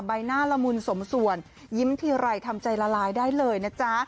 ใบหน้าละมุนสมส่วนยิ้มทีไรทำใจละลายได้เลยนะจ๊ะ